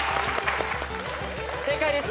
正解です。